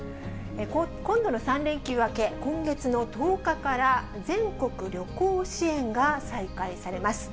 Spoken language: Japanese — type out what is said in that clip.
今度の３連休明け、今月の１０日から全国旅行支援が再開されます。